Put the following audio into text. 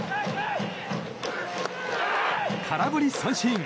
空振り三振！